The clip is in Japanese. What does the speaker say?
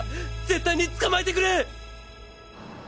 絶対に捕まえてくれっ！